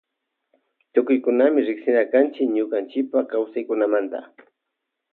Tukuyllami riksina kanchi ñukanchipa kawsaykunamanta.